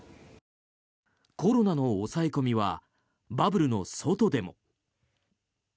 コロナの抑え込みはバブルの外でも。